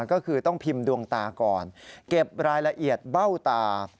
ก็คือต้องพิมพ์ดวงตาก่อนเก็บรายละเอียดเบ้าตา